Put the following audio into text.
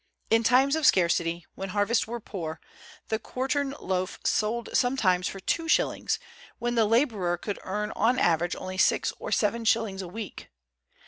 In times of scarcity, when harvests were poor, the quartern loaf sold sometimes for two shillings, when the laborer could earn on an average only six or seven shillings a week.